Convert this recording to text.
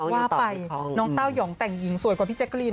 ว่าไปน้องเต้ายองแต่งหญิงสวยกว่าพี่แจ๊กรีน